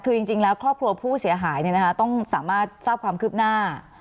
คือจริงแล้วครอบครัวผู้เสียหายต้องสามารถทราบความคืบหน้า